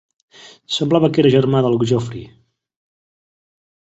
Semblava que era germà del Geoffrey.